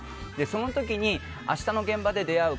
その時に、明日の現場で出会う